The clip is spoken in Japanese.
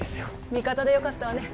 味方でよかったわね